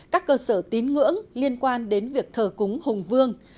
các cơ sở tín ngưỡng liên quan đến việc tổ chức lễ hội